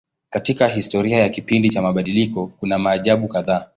Katika historia ya kipindi cha mabadiliko kuna maajabu kadhaa.